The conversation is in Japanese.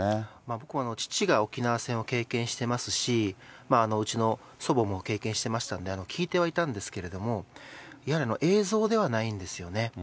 僕、父が沖縄戦を経験してますし、うちの祖母も経験してましたんで、聞いてはいたんですけれども、やはり、映像ではないんですよね。